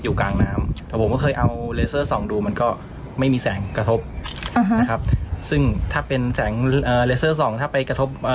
อยู่ข้างขาวแล้วเห็นไหม